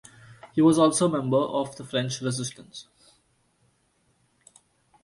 He was also member of the French Resistance.